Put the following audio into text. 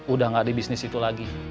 udah gak di bisnis itu lagi